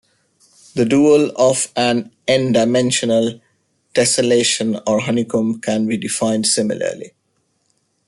The dual of an "n"-dimensional tessellation or honeycomb can be defined similarly.